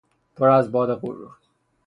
پر از باد غرور